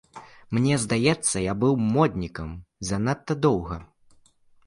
Мне здаецца, я быў моднікам занадта доўга.